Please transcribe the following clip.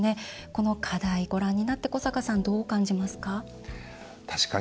この課題、ご覧になって古坂さんはどう感じますか。